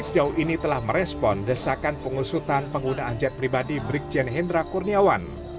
sejauh ini telah merespon desakan pengusutan penggunaan jet pribadi brigjen hendra kurniawan